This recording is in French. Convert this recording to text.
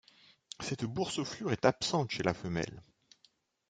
Cette boursouflure est absente chez la femelle.